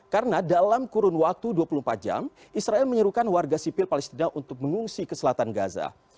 karena dalam kurun waktu dua puluh empat jam israel menyuruhkan warga sipil palestina untuk mengungsi ke selatan gaza